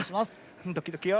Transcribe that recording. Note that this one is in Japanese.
ドキドキよ。